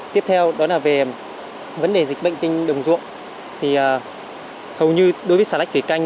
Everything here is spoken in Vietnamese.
tiếp theo về vấn đề dịch bệnh trên đồng ruộng hầu như đối với sạch thủy canh